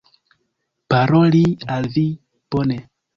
paroli al vi, bone.